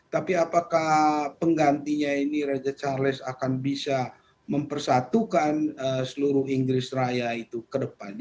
tapi apakah penggantinya ini raja charles akan bisa mempersatukan seluruh inggris raya itu ke depan